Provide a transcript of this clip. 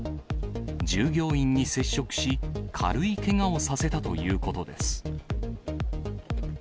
従業員に接触し、軽いけがをさせたということです。